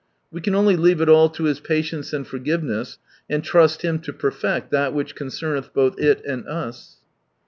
We can only leave it all to His patience and forgiveness, and trust Him to perfect that which concemeih both it and us.